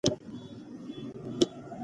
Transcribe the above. آیا بدلونونه په ټولنه کې ګورئ؟